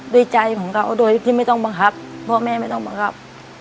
ด้วยใจของเขาโดยที่ไม่ต้องบังคับพ่อแม่ไม่ต้องบังคับ